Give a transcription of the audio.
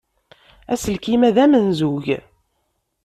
Aselkim-a d amenzug?